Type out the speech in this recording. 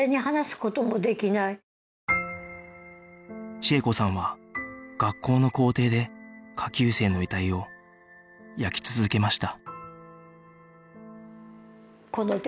千枝子さんは学校の校庭で下級生の遺体を焼き続けました